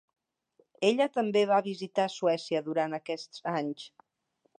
Ella també va visitar Suècia durant aquests anys.